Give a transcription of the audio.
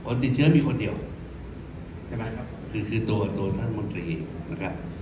ติดเชื้อมีคนเดียวใช่ไหมครับคือคือตัวตัวท่านมนตรีนะครับ